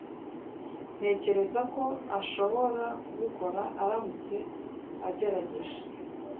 Ntekereza ko ashobora kubikora aramutse agerageje.